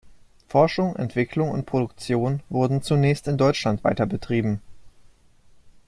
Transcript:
Forschung, Entwicklung und Produktion wurden zunächst in Deutschland weiter betrieben.